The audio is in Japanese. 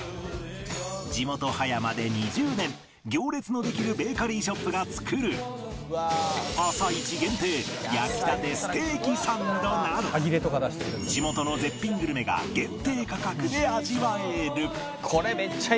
地元葉山で２０年行列のできるベーカリーショップが作る朝市限定焼きたてステーキサンドなど地元の絶品グルメが限定価格で味わえる